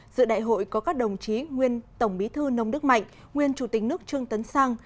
giữa đại hội có các đồng chí nguyên tổng bí thư nông đức mạnh nguyên chủ tịch nước trương tấn sang